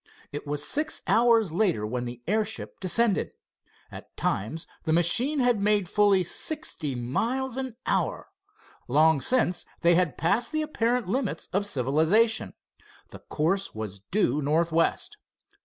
It was six hours later when the airship descended. At times the machine had made fully sixty miles an hour. Long since they had passed the apparent limits of civilization. The course was due northwest.